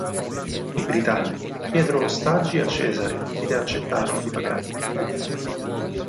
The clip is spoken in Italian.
I britanni diedero ostaggi a Cesare e accettarono di pagargli un tributo.